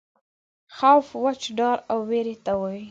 خوف وچ ډار او وېرې ته وایي.